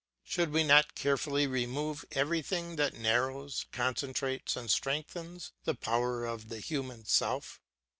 should we not carefully remove everything that narrows, concentrates, and strengthens the power of the human self?